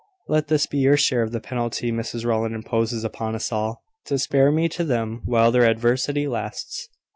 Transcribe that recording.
Let this be your share of the penalty Mrs Rowland imposes upon us all to spare me to them while their adversity lasts."